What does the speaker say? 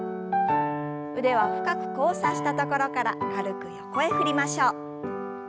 腕は深く交差したところから軽く横へ振りましょう。